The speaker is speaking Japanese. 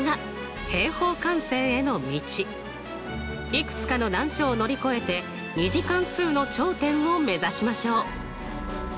いくつかの難所を乗り越えて２次関数の頂点を目指しましょう！